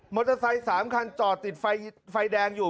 เตอร์ไซค์๓คันจอดติดไฟแดงอยู่